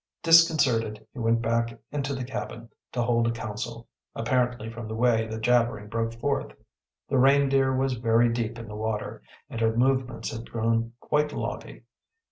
Disconcerted, he went back into the cabin, to hold a council, apparently, from the way the jabbering broke forth. The Reindeer was very deep in the water, and her movements had grown quite loggy.